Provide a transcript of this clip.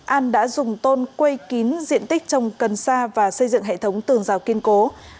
an đã dùng tôn quây kín diện tích trồng cần sa và xây dựng hệ thống tường rào kiên cố